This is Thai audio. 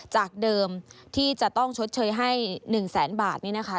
จากเดิมที่จะต้องชดเชยให้๑แสนบาทนี่นะคะ